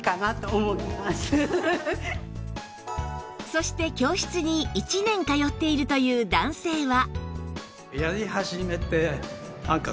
そして教室に１年通っているという男性は